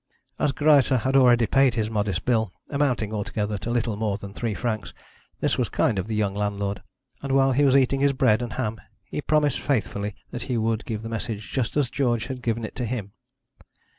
As Greisse had already paid his modest bill, amounting altogether to little more than three francs, this was kind of the young landlord, and while he was eating his bread and ham he promised faithfully that he would give the message just as George had given it to him.